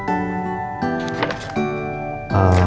itu yang rey